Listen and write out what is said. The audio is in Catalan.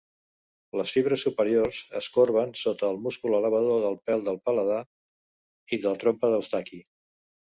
Les fibres superiors es corben sota el múscul elevador del pel del paladar i la trompa d'Eustaqui.